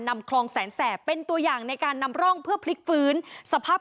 นำคลองแสนแสบเป็นตัวอย่างในการนำร่องเพื่อพลิกฟื้นสภาพ